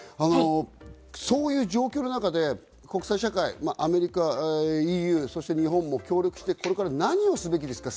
そういう状況の中で国際社会、アメリカ、ＥＵ、そして日本も協力して何をすべきですか？